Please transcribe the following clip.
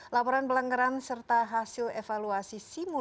laporan pelanggaran serta hasil evaluasi simulasi pilkada juga menjadi kontrol